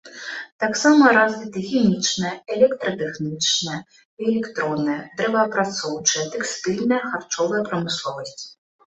Таксама развіты хімічная, электратэхнічная і электронная, дрэваапрацоўчая, тэкстыльная, харчовая прамысловасць.